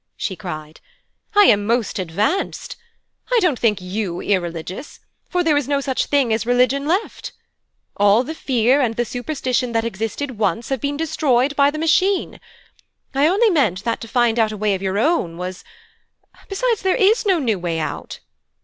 she cried. 'I am most advanced. I don't think you irreligious, for there is no such thing as religion left. All the fear and the superstition that existed once have been destroyed by the Machine. I only meant that to find out a way of your own was Besides, there is no new way out.'